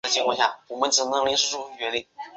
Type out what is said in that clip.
中国共产党及中华人民共和国官员。